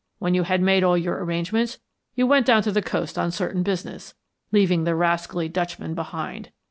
When you had made all your arrangements you went down to the coast on certain business, leaving the rascally Dutchman behind.